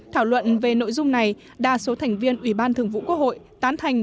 thảo luận về nội dung này đa số thành viên ủy ban thường vụ quốc hội tán thành